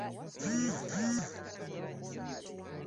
Kabaka alonze omuko Nakyingi ne Nakiwala okumuwabula.